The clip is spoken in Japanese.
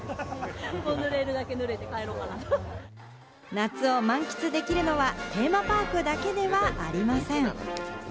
夏を満喫できるのはテーマパークだけではありません。